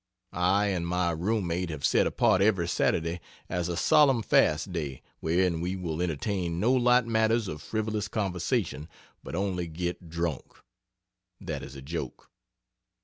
I and my room mate have set apart every Saturday as a solemn fast day, wherein we will entertain no light matters of frivolous conversation, but only get drunk. (That is a joke.)